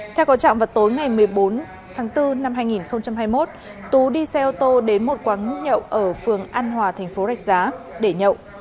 theo có trạm vào tối ngày một mươi bốn tháng bốn năm hai nghìn hai mươi một tú đi xe ô tô đến một quán nhậu ở phường an hòa thành phố rạch giá để nhậu